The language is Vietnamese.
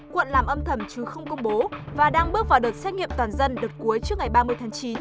quận làm âm thầm chứ không công bố và đang bước vào đợt xét nghiệm toàn dân đợt cuối trước ngày ba mươi tháng chín